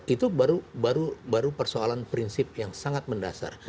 itu baru persoalan prinsip yang sangat mendasar